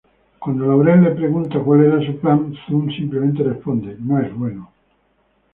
Cuando Laurel le pregunta cuál era su plan, Zoom simplemente responde "no es bueno".